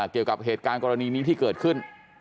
เกี่ยวกับเหตุการณ์กรณีนี้ที่เกิดขึ้น